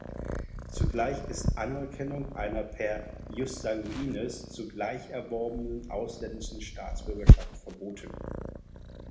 Zugleich ist Anerkennung einer per "ius sanguinis" zugleich erworbenen ausländischen Staatsbürgerschaft verboten.